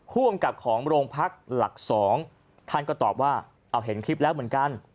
ภูมิกับของโรงพักหลักสองท่านก็ตอบว่าเอาเห็นคลิปแล้วเหมือนกัน